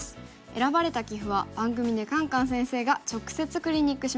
選ばれた棋譜は番組でカンカン先生が直接クリニックします。